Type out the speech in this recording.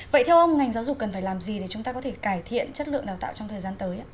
vậy theo ông ngành giáo dục cần phải làm gì để chúng ta có thể cải thiện chất lượng đào tạo trong thời gian tới